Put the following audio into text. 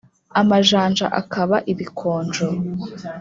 Amajanja akaba ibikonjo.